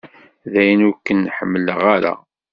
Dayen ur ken-ḥemmleɣ ara.